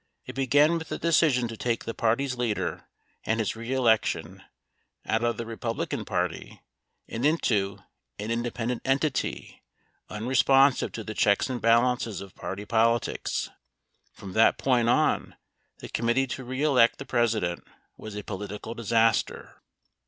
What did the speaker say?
It began with the decision to take the party's leader, and his reelection, out of the Republican Party and into an independent entity, unresponsive to the checks and balances of party politics. From that point on, the Committee To Re Elect the President was a political disaster.